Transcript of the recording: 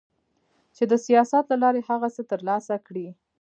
چي د سياست له لارې هغه څه ترلاسه کړي